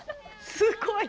すごい。